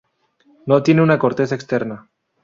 No tiene una corteza externa.